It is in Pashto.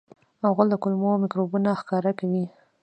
غول د کولمو میکروبونه ښکاره کوي.